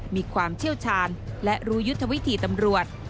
มีความเชี่ยวชาญและรู้ยุทธวิธีตำรวจ